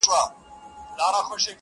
هم په چرت كي د بيزو او هم د ځان وو!.